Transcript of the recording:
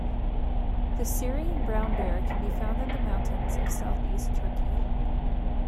The Syrian brown bear can be found in the mountains of Southeast Turkey.